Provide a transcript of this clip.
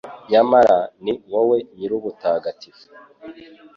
Nyamara ni wowe Nyir’ubutagatifu